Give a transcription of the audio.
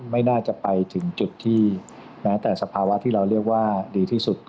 ไม่น่าจะไปถึงจุดที่แม้แต่สภาวะที่เราเรียกว่าดีที่สุด